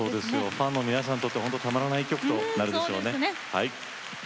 ファンの皆さんにとってほんとたまらない一曲となるでしょうね。